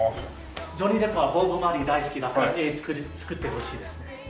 ジョニー・デップはボブ・マーリー大好きだから絵作ったらしいですね。